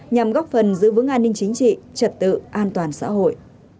nhằm góp phần giữ vững an ninh chính trị trật tự an toàn xã hội